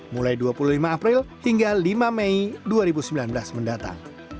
mulai dua puluh lima april hingga lima mei dua ribu sembilan belas mendatang